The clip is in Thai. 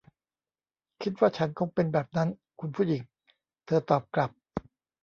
คิดว่าฉันคงเป็นแบบนั้น คุณผู้หญิง เธอตอบกลับ